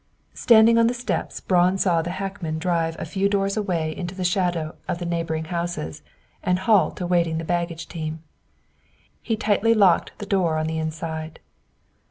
Standing on the steps, Braun saw the hackman drive a few doors away into the shadows of the neighboring houses and halt awaiting the baggage team. He tightly locked the door on the inside.